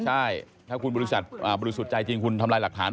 ใช่ถ้าคุณบริษัทบริสุทธิ์ใจจริงคุณทำลายหลักฐาน